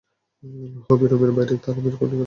হবি রুমের বাইরে তারা ভিড় করে দাঁড়িয়ে আছে।